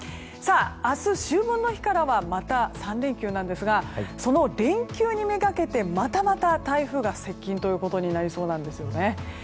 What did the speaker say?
明日、秋分の日からはまた３連休ですがその連休にめがけて、またまた台風が接近となりそうなんです。